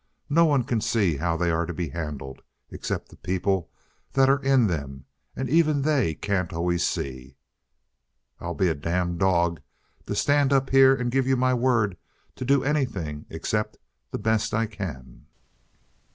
No one can see how they are to be handled, except the people that are in them, and even they can't always see. I'd be a damned dog to stand up here and give you my word to do anything except the best I can."